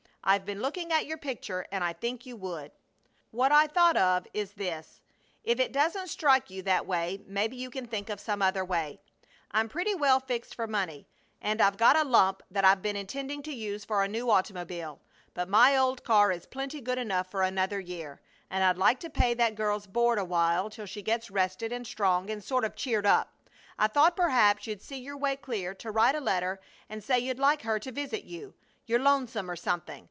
I've been looking at your picture and I think you would. What I thought of is this (if it doesn't strike you that way maybe you can think of some other way): I'm pretty well fixed for money, and I've got a lump that I've been intending to use for a new automobile; but my old car is plenty good enough for another year, and I'd like to pay that girl's board awhile till she gets rested and strong and sort of cheered up. I thought perhaps you'd see your way clear to write a letter and say you'd like her to visit you you're lonesome or Something.